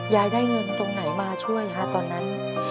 ยายได้เงินตรงไหนมาช่วยฮะตอนนั้น